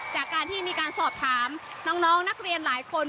จากการที่มีการสอบถามน้องนักเรียนหลายคน